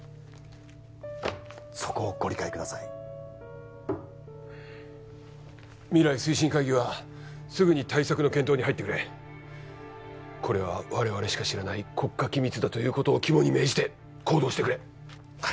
そこをご理解ください未来推進会議はすぐに対策の検討に入ってくれこれは我々しか知らない国家機密だということを肝に銘じて行動してくれはい